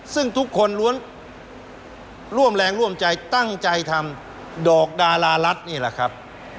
ซึ่งทุกคนล้วนร่วมแรงร่วมใจตั้งใจทำดอกดารารัฐนี่แหละครับ